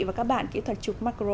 và các bạn kỹ thuật chụp macro